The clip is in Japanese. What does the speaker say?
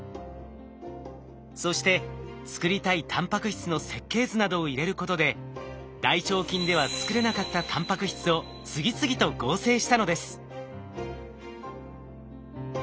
そして作りたいタンパク質の設計図などを入れることで大腸菌では作れなかったタンパク質を次々と合成したのです。